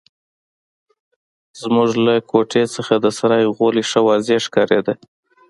زموږ له کوټې څخه د سرای غولی ښه واضح ښکارېده.